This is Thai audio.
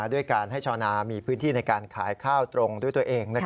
ด้วยการให้ชาวนามีพื้นที่ในการขายข้าวตรงด้วยตัวเอง